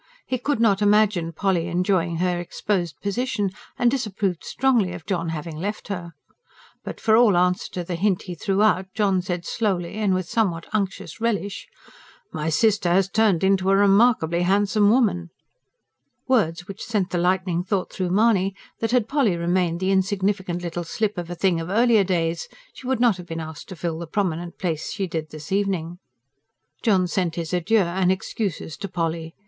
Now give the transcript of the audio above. He could not imagine Polly enjoying her exposed position, and disapproved strongly of John having left her. But for all answer to the hint he threw out John said slowly, and with a somewhat unctuous relish: "My sister has turned into a remarkably handsome woman!" words which sent the lightning thought through Mahony that, had Polly remained the insignificant little slip of a thing of earlier days, she would not have been asked to fill the prominent place she did this evening. John sent his adieux and excuses to Polly.